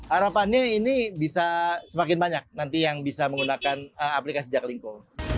harapannya ini bisa semakin banyak nanti yang bisa menggunakan aplikasi jaklingko